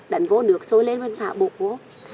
đánh vô nước sôi lên rồi mình thả bột vô